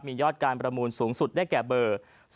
มียอดการประมูลสูงสุดได้แก่เบอร์๐๙๑๑๙๙๙๙๙๙